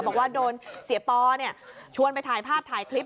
บอกว่าโดนเสียปอชวนไปถ่ายภาพถ่ายคลิป